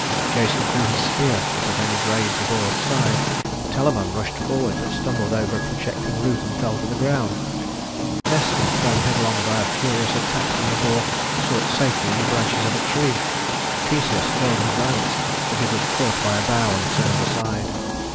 Jason threw his spear, but it only grazed the boar's side. Telamon rushed forward, but stumbled over a projecting root and fell to the ground. Nestor, thrown headlong by a furious attack from the boar, sought safety in the branches of a tree. Theseus hurled his lance, but it was caught by a bough and turned aside.